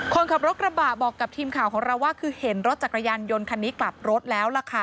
คนขับรถกระบะบอกกับทีมข่าวของเราว่าคือเห็นรถจักรยานยนต์คันนี้กลับรถแล้วล่ะค่ะ